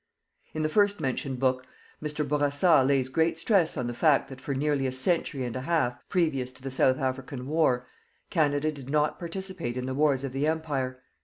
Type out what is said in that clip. In the first mentioned work, Mr. Bourassa lays great stress on the fact that for nearly a century and a half, previous to the South African War, Canada did not participate in the wars of the Empire.